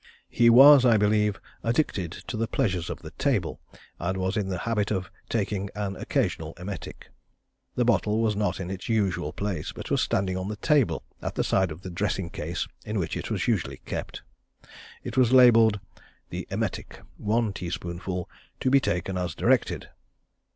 He was, I believe, addicted to the pleasures of the table, and was in the habit of taking an occasional emetic. The bottle was not in its usual place, but was standing on the table at the side of the dressing case in which it was usually kept. It was labelled, "The emetic. One tea spoonful to be taken as directed."